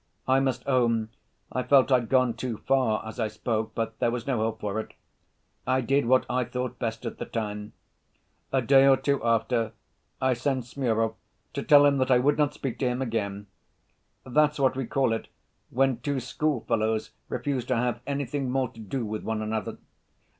I must own I felt I'd gone too far as I spoke, but there was no help for it. I did what I thought best at the time. A day or two after, I sent Smurov to tell him that I would not speak to him again. That's what we call it when two schoolfellows refuse to have anything more to do with one another.